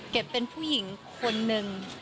เป็นผู้หญิงคนหนึ่ง